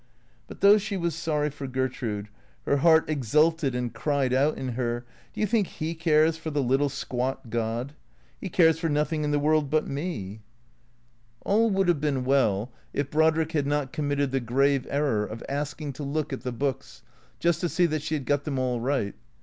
But though she was sorry for Gertrude, her heart exulted and cried out in her, " Do you think He cares for the little squat god? He cares for nothing in the world but me!" 280 THECEEATORS All would have been well if Brodrick had not committed the grave error of asking to look at the Books, Just to see that she had got them all right.